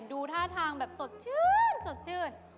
ดูท่าทางแบบสดชื่น